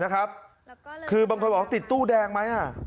นะครับคือบางคนบอกว่าติดตู้แดงไหม